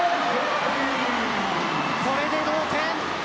これで同点。